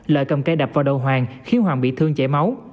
lợi cầm cây đập vào đầu hoàng khiến hoàng bị thương chảy máu